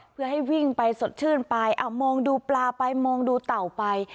เพื่อให้วิ่งไปสดชื่นไปมองดูปลาไปมองดูเต่าไป